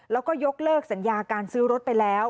แล้วก็ยกเลิกสัญญาการซื้อรถไปแล้ว